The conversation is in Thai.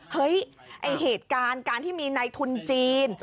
เฮ้ยเหตุการณ์ที่มีในทุนจีน